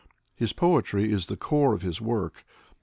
His poetry is the core of his work.